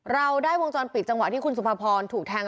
เราได้วงจรปิดจังหวะที่คุณสุภาพรถูกแทง